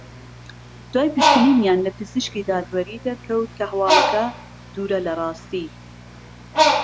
دوای پشکنینیان لە پزیشکی دادوەری دەرکەوت کە هەواڵەکە دوورە لە راستی